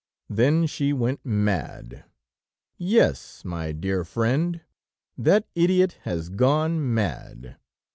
"Then she went mad! Yes, my dear friend, that idiot has gone mad.